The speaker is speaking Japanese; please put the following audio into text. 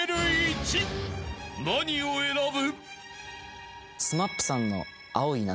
［何を選ぶ？］